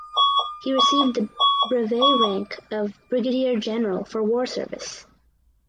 He received the brevet rank of brigadier general for war service.